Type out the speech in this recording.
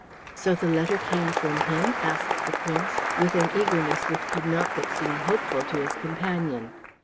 "So the letter came from him?" asked the Prince, with an eagerness which could not but seem hopeful to his companion.